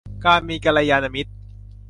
การมีกัลยาณมิตร